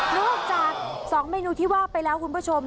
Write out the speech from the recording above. อกจาก๒เมนูที่ว่าไปแล้วคุณผู้ชม